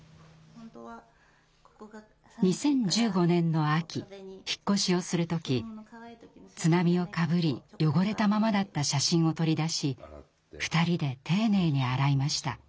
２０１５年の秋引っ越しをする時津波をかぶり汚れたままだった写真を取り出し２人で丁寧に洗いました。